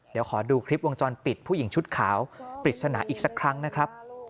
เดี๋ยวขอดูคลิปวงจรปิดผู้หญิงชุดขาวปริศนาอีกสักครั้งนะครับ